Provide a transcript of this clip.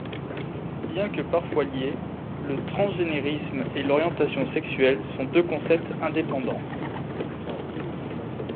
Bien que parfois liés, le transgénérisme et l'orientation sexuelle sont deux concepts indépendants.